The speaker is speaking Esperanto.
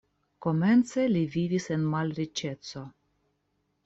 Komence li vivis en malriĉeco.